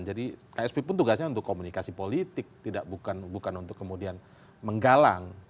jadi ksp pun tugasnya untuk komunikasi politik bukan untuk kemudian menggalang